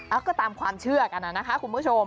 เอาก็ตามความเชื่อกันนะคะคุณผู้ชม